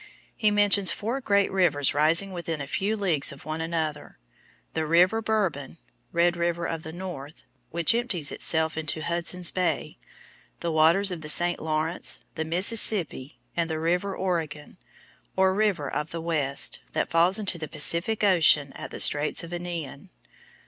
He mentions four great rivers rising within a few leagues of one another, "The river Bourbon (Red River of the North) which empties itself into Hudson's Bay, the waters of the St. Lawrence, the Mississippi, and the river Oregon, or River of the West, that falls into the Pacific Ocean at the Straits of Anian."